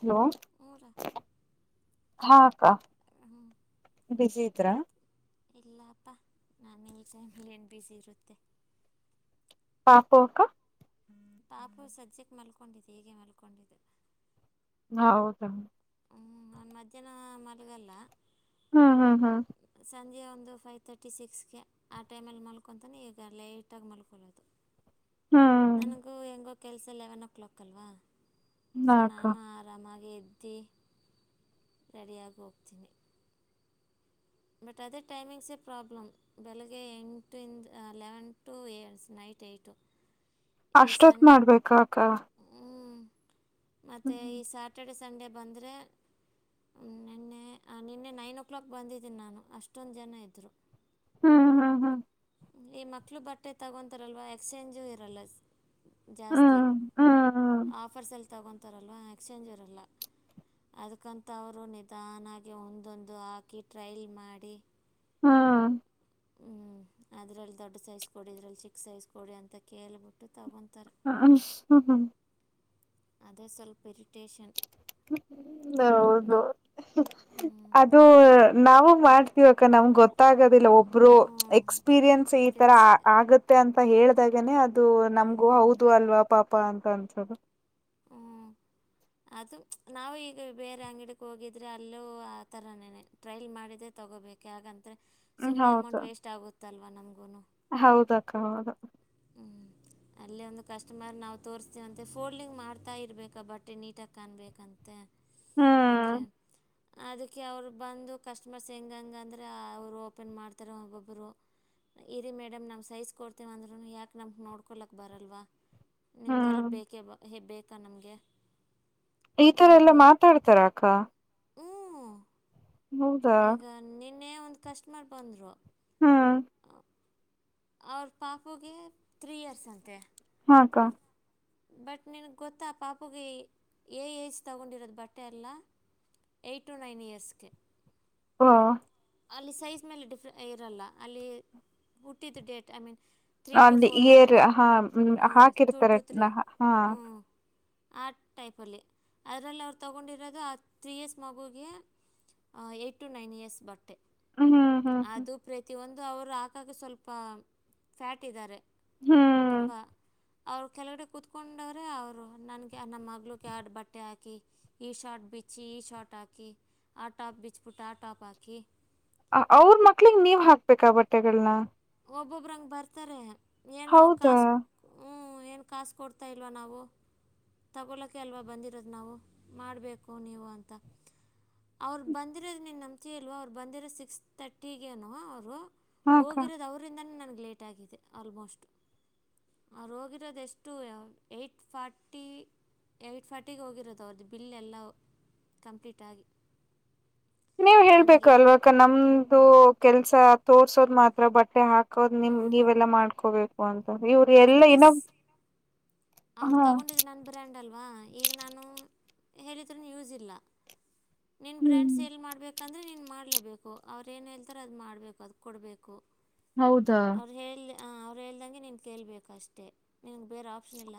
Hello. ಹು ನ್ರ. ಹಾ ಅಕ್ಕ ಹ್ಞೂ ಬಿಸಿ ಇದ್ರಾ. ಮತ್ತು ಇಲ್ಲಪ್ಪ ನಾನ ಈ ಟೈಮ್ಲಿ ಏನ್ ಬ್ಯುಸಿ ಇರುತ್ತೆ. ಪಾಪು ಅಕ್ಕ. ಟಾಪು ಸಧ್ಯಕ್ ಮಲ್ಕೊಂಡಿದ್ದ್ ಹೀಗೆ ಮಲ್ಕೊಂಡಿದ್ದೆ. ಹೌದ? ಹ್ಞ ನಾನು ಮಧ್ಯಾಹ್ನ ಮಲಗಲ್ಲ. ಹ್ಮ್ ಹ್ಮ್ ಹ್ಮ್ ಸಂಜೆ ಒಂದು ಫೈವ್ ತರ್ಟಿ ಸಿಕ್ಸ್ಗೆ ಆ ಟೈಮಲ್ಲಿ ಮಲ್ಕೊಂತಾನೆ ಈಗ ಲೇಟಾಗಿ ಮಲ್ಕೊಳ್ಳೋದು. ಹ್ಮ್ ನನ್ಗೂ ಹೆಂಗೋ ಕೆಲಸ ಲೆವೆನ್ ಓ ಕ್ಲಾಕ್ ಅಲ್ವಾ ಸೊ ನಾಕ ನಾನು ಆ ರಾಮಾಗ ಎದ್ದಿ ರೆಡಿಯಾಗೋಗ್ತೀನಿ. ಬಟ್ ಅದೇ ಟೈಮಿಂಗ್ಸೇ ಪ್ರಾಬ್ಲಂ. ಬೆಲಗ್ಗೆ ಎಂಟಿಂದ ಲೆವೆನ್ ಟು ಏ ನೈಟ್ ಏಯ್ಟು. ಏಸನ್ ಕಾ ಕ್ಕ ಹ್ಞೂ ಮತ್ತೆ ಈ ಸ್ಯಾಟರ್ಡೆ ಸಂಡೇ ಬಂದರೆ ನೆನ್ನೆ ನಿನ್ನೆ ನೈನ್ ಓ ಕ್ಲಾಕ್ ಬಂದಿದ್ದೀನಿ ನಾನು ಅಷ್ಟೊಂದು ಜನ ಇದ್ದರು. ಹ್ಮ ಹಾ ಹಾ ಈ ಮಕ್ಳು ಬಟ್ಟೆ ತಗೊಂತಾರಲ್ವಾ ಎಕ್ಸ್ಚೇಂಜು ಇರಲ್ಲ. ಜಾಸ್ತಿ ಹ್ಮ್ ಹ್ಮ್ ಆಫರ್ಸ್ ಅಲ್ಲ್ ತಗೊಂತಾರಲ್ವಾ ಎಕ್ಸ್ಚೇಂಜ್ ಇರಲ್ಲ. ಅದಕ್ಕಂತ ಅವರು ನಿಧಾನಾಗಿ ಒಂದೊಂದು ಹಾಕಿ ಟ್ರೈಲ್ ಮಾಡಿ ಹಾ ಹ್ಮ್ ಅದರಲ್ಲಿ ದೊಡ್ಡ ಸೈಜ್ ಕೊಡಿ ಇದ್ರಲ್ಲಿ ಚಿಕ್ಕ ಸೈಜ್ ಕೊಡಿ ಅಂತ ಕೇಲಬಿಟ್ಟು ತಗೊಂತಾರೆ. ಹ ಹ್ ಹ್ಮ್ ಹ್ಮ್ ಅದೇ ಸ್ವಲ್ಪ ಇರಿಟೇಷನ್. ನ ಹೌದು ಅದು ನಾವು ಮಾಡ್ ಇವಾಗ ನಮ್ಗ್ ಗೊತ್ತಾಗೋದಿಲ್ಲ ಒಬ್ರು ಹ್ಞೂ ಎಕ್ಸ್ಪೀರಿಯನ್ಸ್ ಈ ತರ ಪ್ರಿನ್ಸ್ ಆಗ ತ್ತೆ ಅಂತ ಹೇಳಿದಾಗೆನೆ ಅದು ನಮ್ಗೂ ಹ್ಞೂ ಹೌದು ಅಲ್ವಾ ಪಾಪ ಅಂತ ಅನ್ಸದು. ಹ್ಮ್ ಅದು ನಾವು ಈಗ ಬೇರೆ ಅಂಗಡಿಕ ಹೋಗಿದ್ರೆ ಅಲ್ಲೂ ಆ ಥರನೇನೆ. ಟ್ರಯಲ್ ಮಾಡಿದೆೇ ತೊಗೋಬೇಕು ಯಕಂತರೆ ಹ್ಮ್ ಸುಮ್ಮನೆ ಹೌದು ಅಮೌಂಟ್ ವೇಸ್ಟ್ ಆಗುತ್ತಲ್ವಾ ನಮ್ಗೂನು. ಹೌದಕ್ಕ ಹೌದು. ಹ್ಮ್ ಅಲ್ಲೇ ಒಂದು ಕಸ್ಟಮರ್ ನಾವು ತೋಸ್ತೀವಂತೆ ಫೋಲ್ಡಿಂಗ್ ಮಾಡ್ತಾ ಇರ್ಬೇಕ ಬಟ್ಟೆ ನೀಟಾಗಿ ಕಾನಬೇಕಂತೆ. ಅಂದ್ರೆ. ಹ್ಮ್ ಅದಕ್ಕೆ ಅವ್ರು ಬಂದು ಕಸ್ಟಮರ್ಸ್ ಹೆಂಗಂಗ ಅಂದ್ರೆ ಅವರು ಓಪನ್ ಮಾಡ್ತಾರೆ ಒಬ್ಬೊಬ್ರು. ಇರಿ ಮೇಡಂ ನಾವು ಸೈಜ್ ಕೊಡ್ತಿವ ಅಂದ್ರ ಯಾಕೆ ನಮ್ಕ್ ನೋಡ್ಕೊಲಕ್ ಬರಲ್ವಾ ನಿಮ್ದ ಹ್ಮ್ ಹೆಲ್ಪ್ ಬೇಕೇಬ ಹೆ ಬೇಕಾ ನಮ್ಗೆ. ಈ ತರ ಎಲ್ಲಾ ಮಾತಾಡ್ತಾರ ಅಕ್ಕ. ಹ್ಞೂ ಹೌದಾ ಈಗ ನಿನ್ನೆ ಒಂದು ಕಸ್ಟಮರ್ ಬಂದರು. ಹಾ ಅವ್ರ ಪಾಪುಗೆ ತ್ರೀ ಇಯರ್ಸ್ ಅಂತೆ. ಹಾಕ್ಕ ಬಟ್ ನಿನಗ್ ಗೊತ್ತಾ ಆ ಪಾಪುಗೆ ಏ ಏಜ್ ತೊಗೊಂಡಿರೋದು ಬಟ್ಟೆ ಎಲ್ಲ. ಎಯ್ಟಟ್ ಟು ನೈನ್ ಇಯರ್ಸ್ಗೆ. ಹಾ ಅಲ್ಲಿ ಸೈಜ್ ಮೇಲೆ ಡಿಫ್ರೆ ಇರಲ್ಲ ಅಲ್ಲಿ ಟಿದ್ದು date I mean three two ಅಲ್ಲಿ ಫೋರು ಏರ್ ಹಾ ಹಾಂ ಟೂ ಹಾಕಿರ್ತಾರೆ ಟೂ ತ್ರೀ ಹಾ ಹ್ಞು. ಆ ಟೈಪಲ್ಲಿ ಅದರಲ್ಲಿ ಅವ್ರು ತೊಗೊಂಡಿರೋದು ಆ ತ್ರೀ ಇರ್ಸ್ ಮಗುಗೆ ಎಯ್ಟ್ ಟು ನೈನ್ ಇಯರ್ಸ್ ಬಟ್ಟೆ. ಹ್ಮ್ ಹ್ಮ್ ಹ್ಮ್ ಅದು ಪ್ರತಿಯೊಂದು ಅವರು ಆಕಾಗ ಸ್ವಲ್ಪ ಫ್ಯಾಟ್ ಇದಾರೆ. ಹ್ಮ್ ತುಂಬಾ ಅವ್ರು ಕೆಳಗಡೆ ಕೂತ್ಕೊಂಡವ್ರೆ ಅವರು ನನಗೆ ನಮ್ಮ್ ಮಗಳಿಗೆ ಆಡು ಬಟ್ಟೆ ಹಾಕಿ. ಈ ಶಾರ್ಟ್ ಬಿಚ್ಚಿ ಈ ಶಾರ್ಟ್ ಹಾಕಿ ಆ ಟಾಪ್ ಬಿಚ್ಬಿಟ್ಟು ಆ ಟಾಪ್ ಹಾಕಿ. ಅವ್ರ ಮಕ್ಳಿಗ್ ನೀವು ಹಾಕ್ಬೇಕಾ ಬಟ್ಟೆಗಳನ್ನ. ಒಬ್ಬೊಬ್ಬ್ರ ಹಂಗ್ ಬರ್ತಾರೆ ಏನೋ ಹೌದಾ ಕಾಸ್ ಹ್ಞೂ ಏನು ಕಾಸ್ ಕೊಡ್ತಾ ಇಲ್ವಾ ನಾವು. ತಗೊಳಕ್ಕೆ ಅಲ್ವಾ ಬಂದಿರೋದು ನಾವು ಮಾಡ್ಬೇಕು ನೀವು ಅಂತ. ಅವ್ರು ಬಂದಿರೋದು ನೀನು ನಂಬ್ತಿಯೋ ಇಲ್ಲವೋ ಅವ್ರು ಬಂದಿರೋ ಸಿಕ್ಸ್ ತರ್ಟಗೇನೊ ಅವ್ರು. ಹಾಕ್ಕ ಹೋಗಿರೋದು ಅವರಿಂದಾನೇ ನನಗೆ ಲೇಟ ಆಗಿದೆ ಆಲ್ಮೋಸ್ಟು. ಅವರು ಹೋಗಿರೋದು ಎಷ್ಟು ಏಟ್ ಫಾಟ್ ಟಿ ಏಯ್ಟ್ ಫಾರ್ಟಿಗೆ ಹೋಗಿರೋದು ಅವ್ರದ್ದು ಬಿಲ್ ಎಲ್ಲ ಕಂಪ್ಲೀಟ್ ಆಗಿ. ನೀವು ಹೇಳ್ಬೇಕು ನನಗೆ ಅಲ್ವಕ ನಮ್ದು ಕೆಲ್ಸ ತೋರ್ಸೋದ್ ಮಾತ್ರ ಬಟ್ ಬಟ್ಟೆ ಹಾಕೋದ್ ನಿಮ್ ನೀವೆಲ್ಲಾ ಮಾಡ್ಕೋಬೇಕು ಅಂತ ಇವ್ರ ಎಲ್ಲ ನಿಮಗೆ ಏನೋ ಸ್ ಅವ್ರು ತಗೊಂಡಿದ್ದ್ ನನ್ನ ಬ್ರ್ಯಾಂಡ್ ಅಲ್ವಾ ಈಗ ನಾನು ಹೇಳಿದ್ರೂ ಯೂಸ್ ಇಲ್ಲ. ನಿನ್ನ ಹ್ಮ್ ಬ್ರ್ಯಾಂಡ್ ಸೇಲ್ ಮಾಡ್ಬೇಕಂದ್ರೆ ನೀನು ಮಾಡ್ಲೇಬೇಕು ಅವರು ಏನು ಹೇಳ್ತಾರೆ ಅದು ಮಾಡ್ಬೇಕು ಅದ್ ಕೊಡಬೇಕು. ಹೌದಾ ಅವ್ರು ಹೇಳ ಅವ್ರು ಹೇಳ್ದಂಗೆ ನೀನು ಕೇಳ್ಬೇಕು ಅಷ್ಟೇ ನಿನಗೆ ಬೇರೆ ಆಪ್ಷನ್ ಇಲ್ಲ.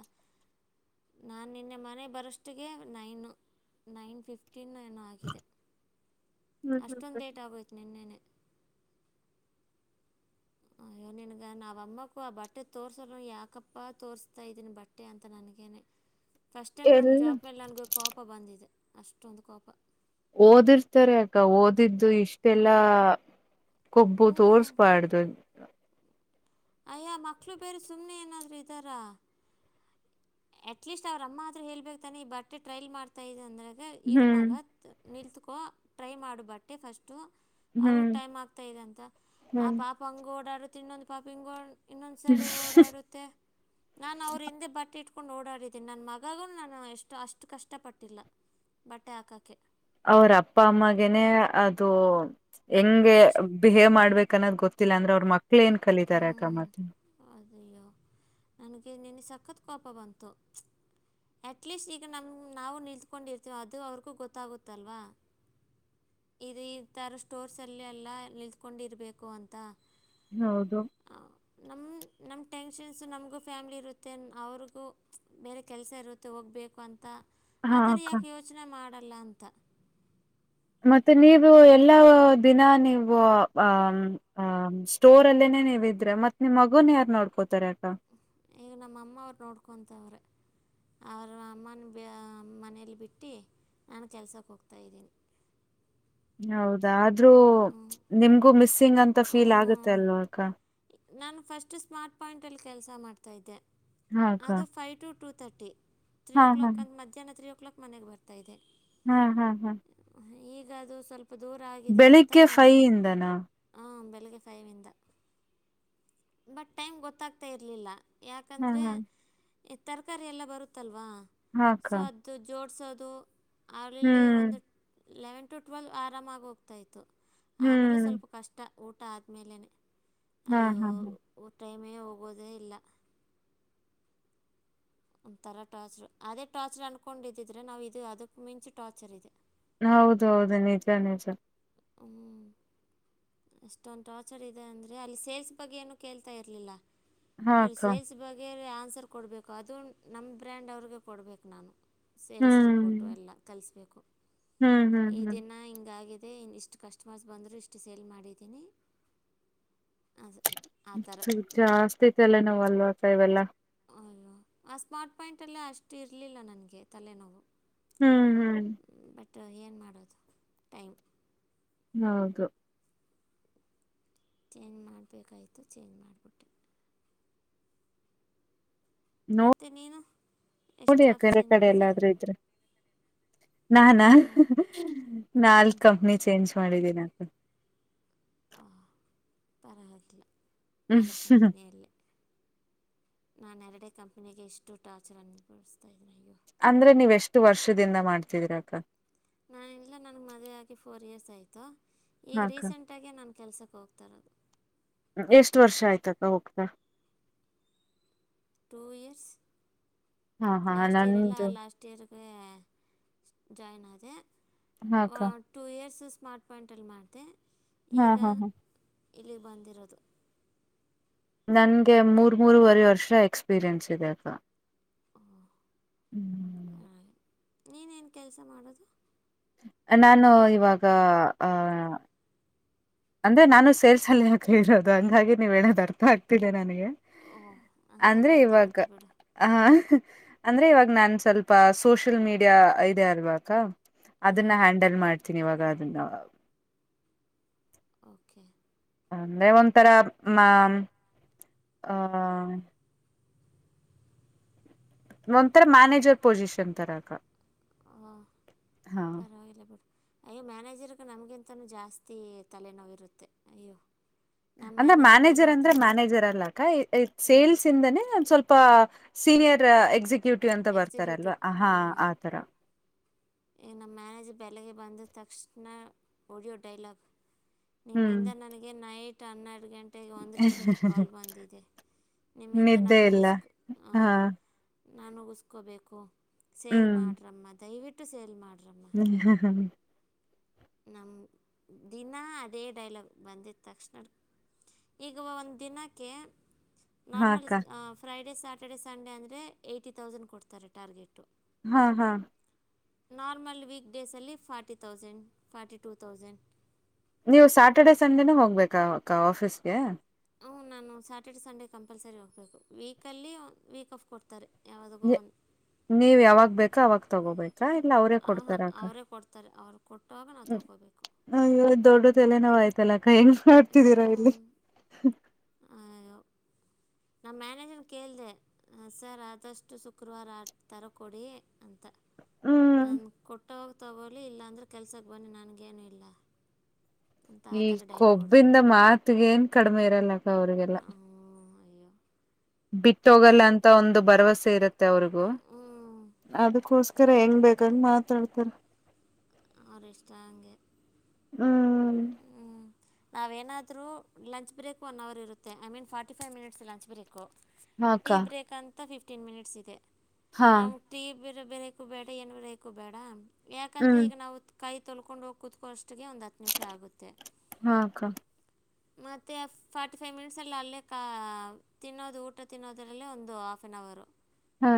ನಾನು ನಿನ್ನೆ ಮನೆಗ್ ಬರೋಷ್ಟಿಗೆ ನೈನು ನೈನ್ ಫಿಫ್ಟೀನೊ ಏನೋ ಆ ಗಿದೆ ಹ್ಮ್ ಹ್ಮ್ ಅಷ್ಟೊಂದು ಹ್ಮ್ ಲೇಟ್ ಆಗೋಯ್ತು ನಿನ್ನೆ. [inaudible] ಅಯ್ಯೋ ನಿನ್ಗ ನಾವ ಅಮ್ಮಕ್ಕೂ ಆ ಬಟ್ಟೆ ತೋರ್ಸ್ದ್ರು ಯಾಕಪ್ಪ ತೋರಿಸ್ತಾ ಇದೀನಿ ಬ ಟ್ಟೆ ಅಂತ ನನಗೇನೆ ಫಸ್ಟ್ ಟೈಮ್ ನನ್ನ ಎಲ್ಲ ಜಾಬ್ ಮೇಲೆ ನನಗ ಕೋಪ ಬಂದಿದೆ ಅಷ್ಟೊಂದು ಕೋಪ. ಓದಿರ್ತಾರೆ ಅಕ್ಕ ಓದಿದ್ದು ಇಷ್ಟೆಲ್ಲಾ ಕೊಬ್ಬು ಹ್ಞೂ ತೋರ್ಸ್ಬಾಡ್ದು. ಅಯ್ಯ ಆ ಮಕ್ಳು ಬೇರೆ ಸುಮ್ಮ್ನೆ ಏನಾದ್ರು ಇದ್ದಾರಾ? ಅಟ್ಲೀಸ್ಟ್ ಅವ್ರಮ್ಮ ಆದರೂ ಹೇಳ್ಬೇಕು ತಾನೆ ಈ ಬಟ್ಟೆ ಟ್ರೈಲ್ ಮಾಡ್ತಾಯ್ದ್ ಅಂದ್ರಾಗೆ ಇರು ಹ್ಮ್ ಮಗ ನಿಲ್ತ್ಕೊ ಟ್ರೈ ಮಾಡು ಬಟ್ಟೆ ಫಸ್ಟು. ಅವ್ರಿಗ ಹ್ಮ್ ಟೈಮ್ ಆಗ್ತಾ ಇದೆ ಅಂತ ಆ ಹ್ಮ್ ಪಾಪ ಹಂಗೆ ಓಡಾಡುತ್ ಇನ್ನೊಂದು ಪಾಪ ಹಿಂಗೊ ಇನ್ನೊಂದ್ ಸೖಡಿಗೋಡಾಡುತ್ತೆ ನಾನು ಅವರ್ ಹಿಂದೆ ಬಟ್ಟ್ ಇಟ್ ಟ್ಕೊಂಡು ಓಡಾಡಿದ್ದೀನಿ ನನ್ನ ಮಗಗೂ ನಾನು ಎಷ್ಟು ಅಷ್ಟು ಕಷ್ಟಪಟ್ಟಿಲ್ಲ ಬಟ್ಟೆ ಹಾಕಕ್ಕೆ. ಅವ್ರ ಅಪ್ಪ ಅಮ್ಮಗೆನೆ ಅದು ಹೆಂಗೆ ಅಷ್ಟು ಬಿಹೇವ್ ಮಾಡ್ಬೇಕ್ ಅನ್ನೋದು ಗೊತ್ತಿಲ್ಲ ಅಂದ್ರೆ ಅವ್ರ ಮಕ್ಳ್ ಏನ್ ಕಲಿತಾರೆ ಅಕ್ಕ ಮ್ಮತ್. ಅದಯ್ಯೋ ನನ್ಗೆ ನಿನ್ನೆ ಸಖತ್ ಕೋಪ ಬಂತು. ಅಟ್ಲೀಸ್ಟ್ ಈಗ ನಮ್ ನಾವು ನಿಂತ್ಕೊಂಡಿರ್ತೀವಿ ಅದು ಅವ್ರಿಗೂ ಗೊತ್ತಾಗುತ್ತಲ್ವಾ. ಇದು ಈತರ ಸ್ಟೋರ್ಸಲೆಲ್ಲ ನಿಲ್ತ್ಕೊಂಡಿರಬೇಕು ಅಂತ. ಹೌದು ಆ ನಮ್ ನಮ್ಮ ಟೆನ್ಷನ್ಸು ನಮಗೂ ಫ್ಯಾಮ್ಲಿ ಇರುತ್ತೆ ಅವ್ರಿಗೂ ಬೇರೆ ಕೆಲಸ ಇರುತ್ತೆ ಹೋಗ್ಬೇಕು ಅಂತ ಹಾ ಆತರ ಅಕ್ಕ ಯಾಕ್ ಯೋಚನೆ ಮಾಡಲ್ಲ ಅಂತ. ಮತ್ತೆ ನೀವು ಎಲ್ಲಾ ದಿನ ನೀವು ಆ ಹ ಸ್ಟೋರಲ್ಲೇನೆ ನೀವಿದ್ರೆ ಮತ್ ನಿಮ್ ಮಗುನ್ ಯಾರ್ ನೋಡ್ಕೋತಾರೆ ಅಕ್ಕ. ಈಗ ನಮ್ಮಮ್ಮ ಅವ್ರು ನೋಡ್ಕೊತಾವ್ರೆ. ಅವರ್ನ ಅಮ್ಮನ್ ಮನೇಲಿ ಬಿಟ್ಟಿ ನಾನು ಕೆಲ್ಸಕ್ಕೆ ಹೋಗ್ತಾಯ್ದೀನಿ. ಹೌದಾ ಆದ್ರೂ ನಿಮ್ಗೂ ಮಿಸ್ಸಿಂಗ್ ಅಂತ ಫೀಲ್ ಆಗುತ್ತೆ ಅಲ್ವಾಕ್ಕ. ನಾನು ಫಸ್ಟ್ ಸ್ಮಾರ್ಟ್ ಪಾಯಿಂಟ್ ಅಲ್ಲಿ ಕೆಲಸ ಮಾಡ್ತಾ ಇದ್ದೆ ಹಾ ಅಕ್ಕ ಅದು five to two thirty three ಹಾ ಓ ಹಾ ಕ್ಲಾಕ್ ಅಂದ್ ಮಧ್ಯಾಹ್ನ ತ್ರೀ ಓ ಕ್ಲಾಕ್ ಮನೆಗೆ ಬರ್ತಾ ಇದೆ. ಹಾಂ ಹಾಂ ಹಾಂ ಈಗ ಅದು ಸ್ವಲ್ಪ ದೂರ ಆಗಿದೆ ಅಂತ ಇಂದನ ಹಾಂ ಬೆಳಿಗ್ಗೆ ಫೈವಿಂದ. ಬಟ್ ಟೈಮ್ ಗೊತ್ತಾಗ್ತಾ ಇರಲಿಲ್ಲ ಹ್ಮ್ ಯಾಕಂದ್ರೆ ಹ್ಮ್ ತರಕಾರಿ ಎಲ್ಲ ಬರುತ್ತಲ್ವಾ ಹಾ ಅಕ್ಕ ಸೊ ಅದು ಜೋಡಿಸೋದು ಅದರಲ್ಲಿ ಹ್ಮ್ ಒಂದು ಲೆವೆನ್ ಟು ಟ್ವೆಲ್ವ್ ಆರಾಮಾಗಿ ಹೋಗ್ತಾ ಇತ್ತು ಆಮೇಲೆ ಹ್ಮ್ ಸ್ವಲ್ಪ ಕಷ್ಟ ಟ ಊಟ ಆದ್ಮೇಲೇನೆ ಹಾ ಹಾ ಹಾ ಅಯ್ಯೋ ಟೈಮೇ ಹೋಗೋದೇ ಇಲ್ಲ ಒಂಥರ ಟಾರ್ಚರು ಅದೇ ಟಾರ್ಚರು ಅನ್ಕೊಂಡಿದ್ದಿದ್ರೆ ನಾವು ಇದು ಅದಕ್ಕೆ ಮಿಂಚು ಟಾರ್ಚರ್ ಇದೆ ಹೌದ ಹೌದು ನಿಜ ನಿಜ ಹ್ಮ್ ಅಷ್ಟೊಂದು ಟಾರ್ಚರ್ ಇದೆ ಅಂದ್ರೆ ಅಲ್ಲಿ ಸೇಲ್ಸ್ ಬಗ್ಗೆ ಏನು ಕೇಳ್ತಾ ಇರ್ಲಿಲ್ಲ ಹಾ ಇಲ್ಲಿ ಅಕ್ಕ ಸೇಲ್ಸ್ ಬಗ್ ಬೇರೆ ಆನ್ಸರ್ ಕೊಡಬೇಕು ಅದು ನಮ್ಮ ಬ್ರ್ಯಾಂಡ್ ಅವ್ರಿಗೆ ಕೊಡ್ಬೇಕು ನಾನು ಸೇಲ್ಸ್ ರಿಪೋರ್ಟು ಹ್ಮ್ ಎಲ್ಲ ಕಳಿಸಬೇಕು ಹ್ಮ್ ಹ್ಮ್ ಈ ಹ್ಮ್ ದಿನ ಹಿಂಗ ಆಗಿದೆ ಇಷ್ಟು ಕಸ್ಟಮರ್ಸ್ ಬಂದ್ರು ಇಷ್ಟು ಸೇಲ್ ಮಾಡಿದ ಇನಿ ಅದು ಆ ಥರ ಜಾಸ್ತಿ ತಲೆನೋವು ಅಲ್ವಾ ಅಕ್ಕ ಇವೆಲ್ಲ ಅಯ್ಯೋ ಆ ಸ್ಮಾರ್ಟ್ ಪಾಯಿಂಟ್ ಅಲ್ಲೇ ಅಷ್ಟು ಇರಲಿಲ್ಲ ನನಗೆ ತಲೆನೋವು ಹ್ಮ್ ಹ್ಮ್ ಬಟ್ ಏನು ಮಾಡೋದು ಟೈಮ್ ಹೌದು ಚೇಂಜ್ ಮಾಡ್ಬೇಕಾಯ್ತು ಚೇಂಜ್ ಮಾಡ್ಬಿಟ್ಟೆ ನೋ ಮತ್ತು ನೀನು ಎಷ್ಟು ನೋಡಿಯ ಜಾಬ್ಸ್ ಬೇರೆ ಚೇಂಜ್ ಕಡೆ ಮಾಡಿದ್ಯಾ ಎಲ್ಲಾದ್ರೂ ಇದ್ರೆ ನಾನಾ ಹ್ಞೂ ನಾಲ್ಕು ಕಂಪ್ನಿ ಚೇಂಜ್ ಮಾಡಿದಿನಿ ಹಾ ಪರವಾಗಿಲ್ಲ ಹ್ಮ್ ನಾಲ್ಕು ಕಂಪನಿ ಅಲ್ಲಿ ನಾನು ಎರಡೇ ಕಂಪ್ನಿಗೆ ಎಷ್ಟು ಟಾರ್ಚರ್ ಅನುಭವಿಸ್ತಾ ಇದೀನಿ ಅಯ್ಯೋ ಅಂದ್ರೆ ನೀವ್ ಎಷ್ಟು ವರ್ಷದಿಂದ ಮಾಡ್ತಿದಿರ ಅಕ್ಕ ನಾನ ಎಲ್ಲ ನನಗೆ ಮದುವೆ ಆಗಿ ಫೋರ್ ಇಯರ್ಸ್ ಆಯಿತು ಈಗ ಹಾ ಅಕ್ಕ ರೀಸೆಂಟ್ ಗೆ ನನ್ ಕೆಲಸಕ್ಕೆ ಹೋಗ್ತಾ ಇರೋದು ಎಷ್ಟು ವರ್ಷ ಆಯ್ತತ ಅಕ್ಕ ಹೋಗ್ತಾ ಟೂ ಇಯರ್ಸ್ ಹಾ ಹಾ ಲಾಸ್ಟ್ ಇಯರ್ ಎಲ್ಲ ನಂದು ಲಾಸ್ಟ್ ರಿಗೆ ಜಾಯನ್ ಆದೆ ಹಾ ಆ ಅಕ್ಕ ಟೂ ಇಯರ್ಸ್ ಸ್ಮಾರ್ಟ್ ಫೋಂಟಲ್ಲಿ ಮಾಡಿದೆ ಹಾ ಈಗ ಹಾ ಹಾ ಇಲ್ಲಿ ಬಂದಿರೋದು ನನ್ಗೆ ಮೂರ್ ಮೂರವರೆ ವರ್ಷ ಎಕ್ಸ್ಪೀರಿಯನ್ಸ್ ಇದೆ ಅಕ್ಕ ಹ್ಮ್ ಹಾ ನೀನೇನ್ ಕೆಲಸ ಮಾಡೋದು ನಾನು ಇವಾಗ ಆಹ ಅಂದ್ರೆ ನಾನು ಸೇಲ್ಸ ಅಲ್ಲಿ ಅಕ್ಕ ಇರೋದು ಹಂಗಾಗಿ ನೀವ ಹೇಳೋದು ಅರ್ಥ ಆಗ್ತಿದೆ ನನಗೆ ಓಹ ಹಂಗಗೆ ಅರ್ಥ ಆಗುತ್ತೆ ಬಿೇಡು ಹಹ ಅಂದ್ರೆ ಇವಾಗ ನಾನ್ ಸ್ವಲ್ಪ ಸೋಷಲ್ ಮೀಡಿಯಾ ಇದೆ ಅಲ್ವ ಅಕ್ಕಾ ಹಾಂ ಅದನ್ನ ಹ್ಯಾಂಡಲ್ ಮಾಡ್ತೀನಿ ಇವಾಗ ಅದನ್ನ ಓಕೆ ಅಂದರೆ ಒಂಥರ ಮಾ ಅ ಒಂಥರ ಮ್ಯಾನೇಜರ್ ಪೊಸಿಷನ್ ತರಕ ಓ ಹಾ. ಪರವಾಗಿಲ್ಲ ಬಿಡು ಅಯ್ಯೋ ಮ್ಯಾನೇಜರ್ಗೆ ನಮ್ಗಿಂತನೂ ಜಾಸ್ತಿ ತಲೆನೋವು ಇರುತ್ತೆ ಅಯ್ಯೋ ನಮ್ಮ ಅಂದ್ರೆ ಮ್ಯಾನೇಜರ್ನೇ ಮ್ಯಾನೇಜರ್ ಅಂದ್ರೆ ನೋಡ್ತಂಡು ಮ್ಯಾನೇಜರ್ ಅಲ್ಲ ಅಕ್ಕ ಹ್ಞೂ ಸೇಲ್ಸ್ ಇಂದನೆ ಸ್ವಲ್ಪ ಸೀನಿಯರ್ ಎಕ್ಸಿಕ್ಯೂಟಿವ್ ಅಂತ ಬರ್ತಾರಲ್ವಾ ಎಕ್ಸಿಕ್ಯೂಟಿವ್ ಹಾ ಆತರ ಈಗ ನಮ್ಮ ಮ್ಯಾನೇಜ್ ಬೆಳಿಗ್ಗೆ ಬಂದ ತಕ್ಷಣ ಓಡಿಯೋ ಡೈಲಾಗ್ ಹ್ಮ್ ನಿಮ್ಮಿಂದ ನನಗೆ ನೈಟ್ ಹನ್ನೆರಡು ಗಂಟೆ [unintelligible] ಒಂದು ಗಂಟೆಗೆ ಕಾಲ್ ಬಂದಿದೆ ನಿಮ್ಮಿಂದ ನಿದ್ದೆ ನಾನು ಇಲ್ಲ ಉಗಿಸ್ಕೊ [unintelligible] ಹಾ ನಾನು ಮುಗಿಸ್ಕೋಬೇಕು ಸೇಲ್ ಹ್ಮ್ ಮಾಡ್ರಮ್ಮ ದಯವಿಟ್ಟು ಸೇಲ್ ಮಾಡ್ರಿ. ಹ ಹ್ಮ ಹ್ಮ [unintelligible] [unintelligible] ನಮ್ಮ ದಿನ ಅದೇ ಡೈಲಾಗ್ ಬಂದಿದ ತಕ್ಷಣ ಈಗ ಒಂದ್ ದಿನಕ್ಕೆ ಹಾ ನಾರ್ಮಲ್ ಅಕ್ಕ ಫ್ರೈಡೇ ಸಾಟರ್ಡೆ ಸಂಡೇ ಅಂದರೆ ಎಯ್ಟಿ ತೌಸಂಡ್ ಕೊಡ್ತಾರೆ ಟಾರ್ಗೆಟು. ಹಾ ಹಾ ನಾರ್ಮಲ್ ವೀಕ್ ಡೇಸಲ್ಲಿ forty thousand forty two thousand ನೀವು ಸ್ಯಾಟರ್ಡೆ ಸಂಡೇನೂ ಹೋಗ್ಬೇಕಾ ಅಕ್ಕಾ ಆಫೀಸ್ಗೆ. ಹು ನಾನು ಸ್ಯಾಟರ್ಡೆ ಸಂಡೇ ಕಂಪಲ್ಸರಿ ಹೋಗ್ಬೇಕು ವೀಕಲ್ಲಿ ವೀಕ್ ಆಫ್ ಕೊಡ್ತಾರೆ. ಯಾವುದಗೋ [unintelligible] ನೀವ್ ಯಾವಾಗ ಬೇಕೋ ಅವಾಗ ತಗೋಬೇಕು. [unintelligible] ಹಾ ಹಹ ಅವರೇ ಕೊಡ್ತಾರೆ ಅವ್ರು ಕೊಟ್ಟಾಗ ನಾವು ತೊಗೋಬೇಕು. ಹ ಇವಗ ದೊಡ್ಡದ ತಲೆ ನೋವ್ ಆಯ್ತಲ್ಲಾಕ್ಕ ಹೆಂಗ ಮಾಡ್ತಿದೀರಾ ಇಲ್ಲಿ ಅ ನಮ್ ಮನೇಜರ್ ಕೇಳಿದೆ. ಸರ್ ಆದಷ್ಟು ಶುಕ್ರವಾರ ಆ ತರ ಕೊಡಿ ಅಂತ ಹ್ಮ್ ನಾನ ಕೊಟ್ಟಾಗ ತಗೊಲಿ ಇಲ್ಲ ಅಂದ್ರೆ ಕೆಲ್ಸಕ್ಕೆ ಬನ್ನಿ ನನ್ಗೇನು ಇಲ್ಲ. ಅಂತ ಆ ಈ ಥರ ಡೈಲಾಗ್ ಹೊಡೆದು ಕೊಬ್ಬಿಂದ ಮಾತಿಗ ಏನ್ ಕಡಿಮೆ ಇರಲ್ಲಕ್ಕ ಅವ್ರಿಗೆಲ್ಲ ಅಯ್ಯೋ ಬಿಟ್ಟೋಗಲ್ಲ ನಾವಿನ್ನು ಅಂತ ಒಂದು ಭರವಸೆ ಇರತ್ತೆ ಅವ್ರಿಗೂ ಹ್ಞೂ ಅದುಕು [unintelligible] ಹೆಂಗ್ ಬೇಕಂಗ ಮಾತಾಡ್ತಾರ ಅವರು ಇಷ್ಟ ಹಂಗೆ ಹಾ ಹ್ಞೂ ನಾವೇನಾದರೂ ಲಂಚ್ ಬ್ರೇಕ್ ಒನ್ ಅವರ್ ಇರುತ್ತೆ I mean forty five minutes lunch break [unintelligible] ಹಾಕ್ಕ ಟೀ ಬ್ರೇಕ್ ಅಂತ ಫಿಫ್ಟಿನ್ ಮಿನಿಟ್ಸ್ ಇದೆ ಹಾ [unintelligible] ಟಿ ಬರೆ ಬೇರಕೂ ಬೇಡ ಏನು ಬರೋಬೇಕು ಬೇಡ ಯಾಕಂದರೆೆ ಹ್ಮ್ ಈಗ ನಾವು ಕೈ ತೊಲ್ಕೊಂಡು ಹೋಗಿ ಕೂತ್ಕೋಷ್ಟಿಗೆ ಒಂದು ಹತ್ತು ನಿಮಿಷ ಆಗುತ್ತೆ ಹಾಕ್ಕ ಮತ್ತೆ ಫಾರ್ಟಿ ಫೈವ್ ಮಿನಿಟ್ಸ್ ಎಲ್ಲಿ ಅಲ್ಲೇ ತಿನ್ನೋದು ಊಟ ತಿನ್ನೋದ್ರಲ್ಲೇ ಒಂದು ಹಾಫ್ ಆನ್ ಅವರು ಹಾ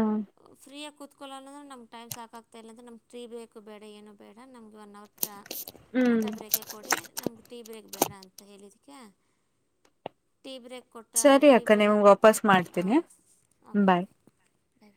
ಫ್ರೀಯಾಗಿ ಕುತ್ [unintelligible] ನಮ ಟೈಮ್ ಸಾಕಗ್ತಾ ಇಲ್ಲ ಇಲ್ಲಂದ್ರ ನಮ್ಗೆ ಟೀ ಬ್ರೇಕ್ ಬೇಡ ಏನು ಬೇಡ ನಮ್ಗೆ ಒನ್ ಅವರ್ ಹ್ಮ್ ಊಟ ಬ್ರೇಕ [unintelligible] ಕೊಡಿ ನಮ್ಗೆ ಟೀ ಬ್ರೇಕ್ ಬೇಡ ಅಂತ ಹೇಳಿದಕ್ಕೆ ಟೀ ಬ್ರೇಕ್ ಕೊ ಸರಿ ಟ್ರಿ ಅಕ್ಕ ಬ ನಿಮ್ಗೆ ವಾಪಸ್ [unintelligible] ಮಾಡ್ತೀನಿ ಹಾಂ ಓಕೆ ಬಾಯ್ ಓಕೆ ಬಾಯ್ ಬಾಯ್